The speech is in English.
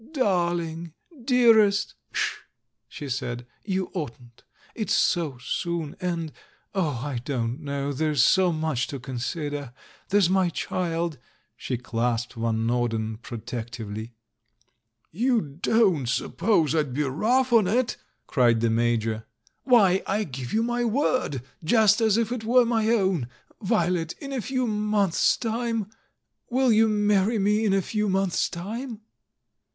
"Darling! Dearest!" "Sh!" she said, "you oughtn't. It's so soon; and — oh, I don't know, there's so much to consid er. There's my child." She clasped Van Nor den protectively. "You don't suppose I'd be rough on it?" cried S42 THE MAN WHO UNDERSTOOD WOMEN the Major. "Why, I give you my word — just as if it were my own. Violet, in a few months' time? Will you marry me in a few months' time?"